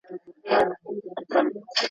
تاسي کولای شئ په کور کې هم تمرین وکړئ.